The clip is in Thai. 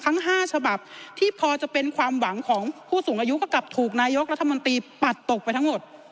ทั้ง๕ฉบับที่พอจะเป็นความหวังของผู้สูงอายุก็กลับถูกนายกรัฐมนตรีปัดตกไปทั้งหมด